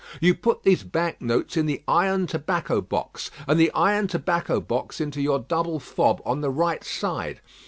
You put these bank notes in the iron tobacco box, and the iron tobacco box into your double fob on the right hand side.